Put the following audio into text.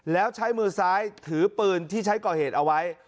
แล้วใช้มือซ้ายถือปืนที่ใช้ก่อเหตุเอาไว้